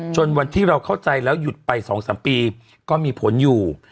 จนวันที่เราเข้าใจแล้วหยุดไป๒๓ปีก็มีผลอยู่